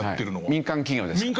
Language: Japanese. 民間企業ですから。